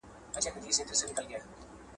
که هند پرمختګ وکړي موږ به هم ګټه وکړو.